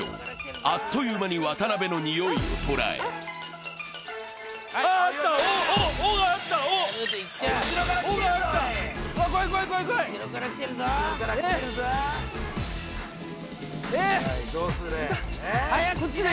あっという間に渡辺のにおいを捉え「お」があった、怖い、怖い。